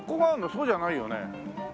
そうじゃないよね。